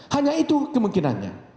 hanya itu kemungkinannya